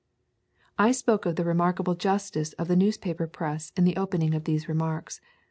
I spoke of the remarkable justice of the newspaper press in the opening of these remarks.